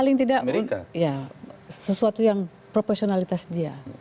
paling tidak ya sesuatu yang profesionalitas dia